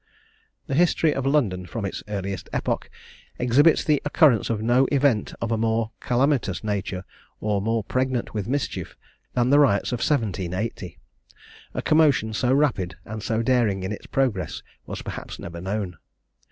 The history of London, from its earliest epoch, exhibits the occurrence of no event of a more calamitous nature, or more pregnant with mischief, than the riots of 1780. A commotion so rapid, and so daring in its progress, was perhaps never known.